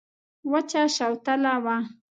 وچه شوتله وه.